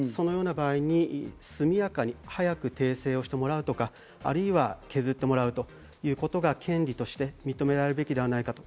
そのような場合に速やかに、早く訂正してもらうとか、或いは削ってもらうということが権利として認められるべきではないかと。